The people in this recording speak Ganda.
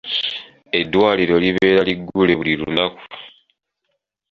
Eddwaliro libeera liggule buli lunaku.